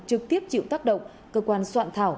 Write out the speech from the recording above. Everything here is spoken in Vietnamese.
trực tiếp chịu tác động cơ quan soạn thảo